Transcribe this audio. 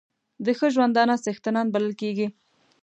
د ښه ژوندانه څښتنان بلل کېږي.